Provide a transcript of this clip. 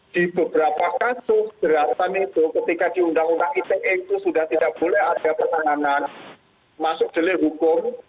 di beberapa kasus berasa niru ketika di undang undang ite itu sudah tidak boleh ada pertanganan masuk jelil hukum